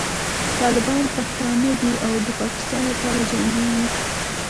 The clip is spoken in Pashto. طالبان پښتانه دي او د پاکستان لپاره جنګېږي.